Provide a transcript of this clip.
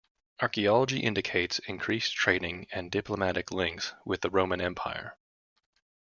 Archaeology indicates increased trading and diplomatic links with the Roman Empire.